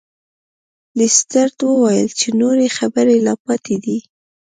لیسټرډ وویل چې نورې خبرې لا پاتې دي.